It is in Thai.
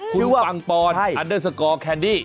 คุณปังปอนอันเดอร์สกอร์แคนดี้